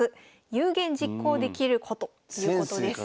有言実行できる子ということです。